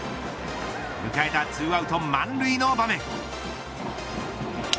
迎えた２アウト満塁の場面。